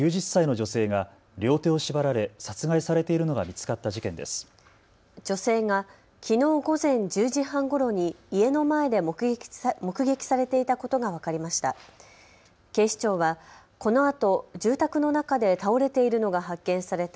女性がきのう午前１０時半ごろに家の前で目撃されていたことが分かりました。